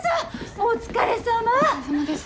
お疲れさまです。